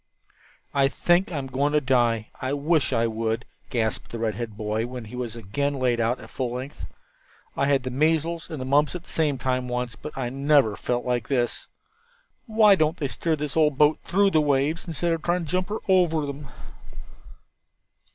"I think I'm going to die. I wish I would," gasped the red headed boy when he was again laid out at full length. "I had the measles and the mumps at the same time once, but I never felt like this. Why don't they steer this old boat through the waves, instead of trying to jump her over them?"